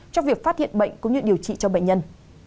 trong việc phát hiện bệnh cũng như điều trị cho bệnh nhân